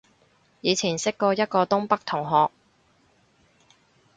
以前識過一個東北同學